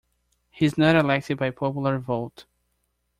He is not elected by popular vote.